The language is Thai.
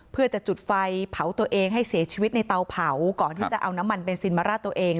เพื่อจะจุดไฟเผาตัวเองให้เสียชีวิตในเตาเผาก่อนที่จะเอาน้ำมันเบนซินมาราดตัวเอง